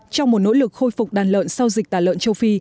trong một nỗ lực khôi phục đàn lợn sau dịch tả lợn châu phi